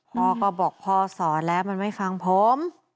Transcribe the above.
พ่อก็บอกพ่อสอนแล้วมันไม่ฟังผม